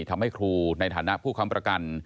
ทำให้ครูในฐานะผู้ค้ำประกัน